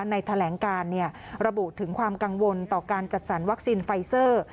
แถลงการระบุถึงความกังวลต่อการจัดสรรวัคซีนไฟเซอร์